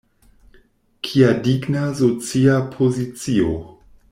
Kia digna socia pozicio!